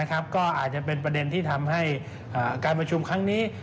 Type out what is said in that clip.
ก็อาจจะเป็นประเด็นที่ทำให้การประชุมครั้งนี้